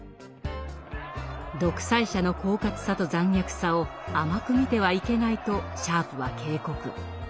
「独裁者の狡猾さと残虐さを甘く見てはいけない」とシャープは警告。